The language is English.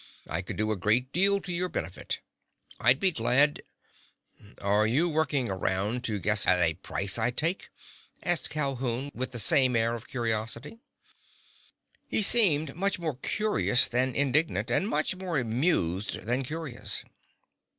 I could do a great deal to your benefit. I'd be glad—" "Are you working around to guess at a price I'll take?" asked Calhoun with the same air of curiosity. He seemed much more curious than indignant, and much more amused than curious.